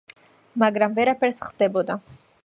მაგრამ ვერაფერს ხდებოდა.